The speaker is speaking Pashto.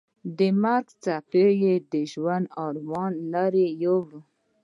د مرګي څپو یې د ژوند ارمانونه لرې یوړل.